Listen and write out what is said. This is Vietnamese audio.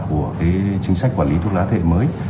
của chính sách quản lý thuốc lá thế hệ mới